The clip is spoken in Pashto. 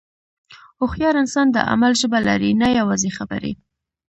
هوښیار انسان د عمل ژبه لري، نه یوازې خبرې.